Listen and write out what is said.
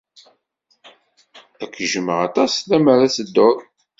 Ad k-jjmeɣ aṭas lemmer ad tedduḍ.